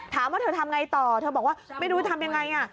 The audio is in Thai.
ถามว่าเธอทำไงต่อเธอบอกว่าไม่รู้ทำยังไง